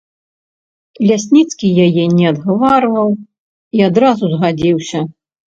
Лясніцкі яе не адгаварваў і адразу згадзіўся.